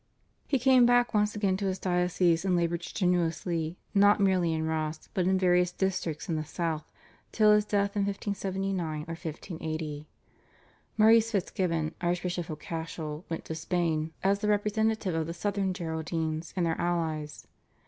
He came back once again to his diocese, and laboured strenuously, not merely in Ross, but in various districts in the South till his death in 1579 or 1580. Maurice Fitzgibbon, Archbishop of Cashel, went to Spain as the representative of the Southern Geraldines and their allies.